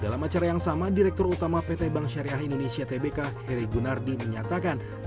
dalam acara yang sama direktur utama pt bank syariah indonesia tbk heri gunardi menyatakan